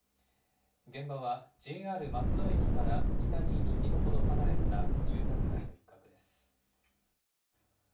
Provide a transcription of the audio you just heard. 現場はＪＲ松戸駅から北に２キロほど離れた住宅街の一角です。